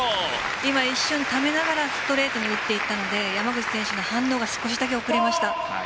今、一瞬ためながらストレートに打っていったので山口選手の反応が少しだけ遅れました。